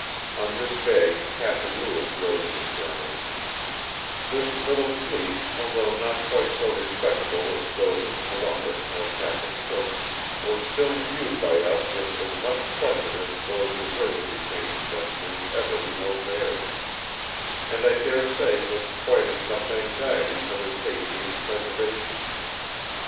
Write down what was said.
On this day Captain Lewis wrote in his journal: "This little fleet altho' not quite so rispectable as those of Columbus or Capt. Cook, were still viewed by us with as much pleasure as those deservedly famed adventurers ever beheld theirs; and I dare say with quite as much anxiety for their safety and preservation.